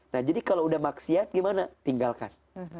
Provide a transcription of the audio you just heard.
nah jadi kalau udah maksiat gimana tinggalkan